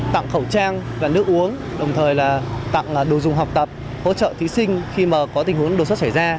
tặng khẩu trang và nước uống đồng thời tặng đồ dùng học tập hỗ trợ thí sinh khi có tình huống đồ xuất xảy ra